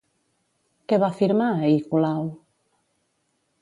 Què va firmar ahir Colau?